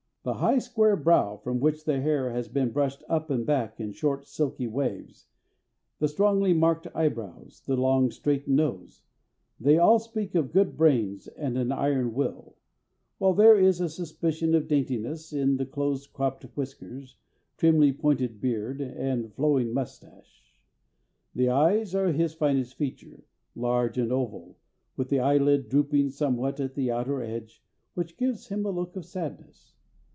The high square brow from which the hair has been brushed up and back in short silky waves, the strongly marked eyebrows, the long straight nose, they all speak of good brains and an iron will; while there is a suspicion of daintiness in the close cropped whiskers, trimly pointed beard, and flowing moustache. The eyes are his finest feature, large and oval, with the eyelid drooping somewhat at the outer edge, which gives him a look of sadness.